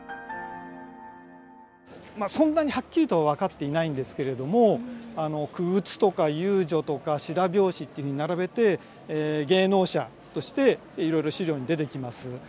そんなにはっきりとは分かっていないんですけれども傀儡とか遊女とか白拍子っていうふうに並べて芸能者としていろいろ資料に出てきます。